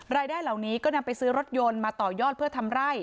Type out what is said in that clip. รายได้เหล่านี้ก็นำไปซื้อรถยนต์มาต่อยอดเพื่อทำไร่